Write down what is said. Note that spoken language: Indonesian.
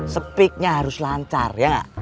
sepiknya harus lancar ya gak